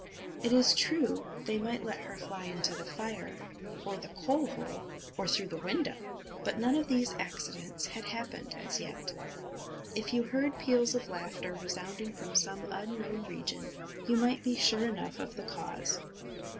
It is true, they might let her fly into the fire or the coal hole, or through the window; but none of these accidents had happened as yet. If you heard peals of laughter resounding from some unknown region, you might be sure enough of the cause.